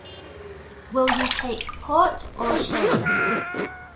Will you take port or sherry?